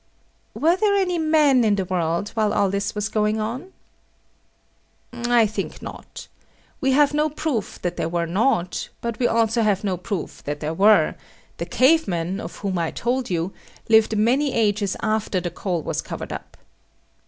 Were there any men in the world while all this was going on? I think not. We have no proof that there were not: but also we have no proof that there were; the cave men, of whom I told you, lived many ages after the coal was covered up.